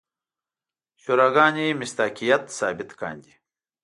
شوراګانې مصداقیت ثابت کاندي.